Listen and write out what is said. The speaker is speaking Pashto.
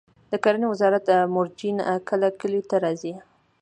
د کرنې وزارت مروجین کله کلیو ته راځي؟